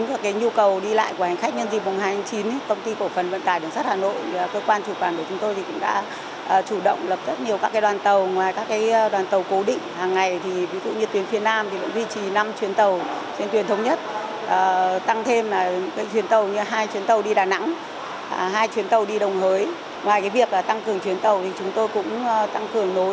ngoài việc tăng cường chuyến tàu thì chúng tôi cũng tăng cường lối hết chiều dài đoàn tàu để nhằm đáp ứng được tối đa của nhu cầu của khách hàng